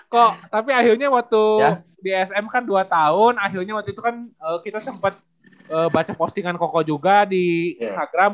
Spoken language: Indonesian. kok tapi akhirnya waktu di sm kan dua tahun akhirnya waktu itu kan kita sempet baca postingan koko juga di instagram